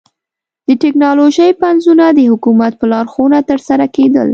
د ټکنالوژۍ پنځونه د حکومت په لارښوونه ترسره کېدل